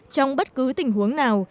trong bất cứ tình huống nào